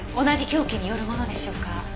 同じ凶器によるものでしょうか？